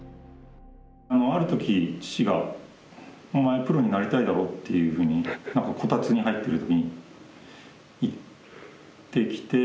ある時父が「お前プロになりたいだろ？」っていうふうにこたつに入ってる時に言ってきて。